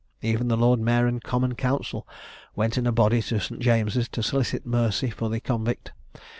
Even the lord mayor and common council went in a body to St. James's, to solicit mercy for the convict.